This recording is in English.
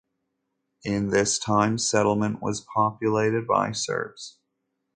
In this time, settlement was populated by Serbs.